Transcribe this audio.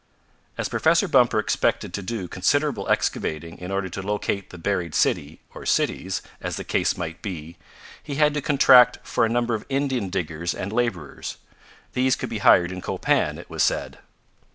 As Professor Bumper expected to do considerable excavating in order to locate the buried city, or cities, as the case might be, he had to contract for a number of Indian diggers and laborers. These could be hired in Copan, it was said.